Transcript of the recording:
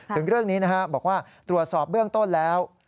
ถึงเรื่องนี้นะฮะบอกว่าตรวจสอบเบื้องต้นแล้ว